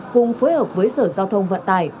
cùng phối hợp với sở giao thông vận tải